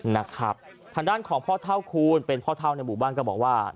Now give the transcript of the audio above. ทางด้านของพ่อเท่าคูณเป็นพ่อเท่าในบุบันก็บอกว่า